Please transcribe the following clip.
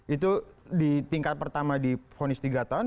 itu di tingkat pertama diponis tiga tahun